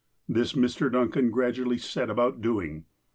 This Mr. Duncan gradually set about doing.